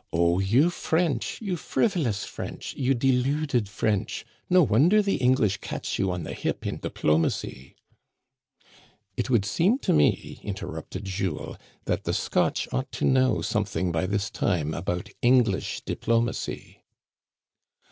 " Oh, you French, you frivolous French, you deluded French, no wonder the English catch you on the hip in diplomacy !"" It would seem to me," interrupted Jules, " that the Scotch ought to know something by this time about English diplomacy